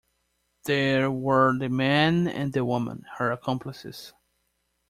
There were the man and the woman, her accomplices.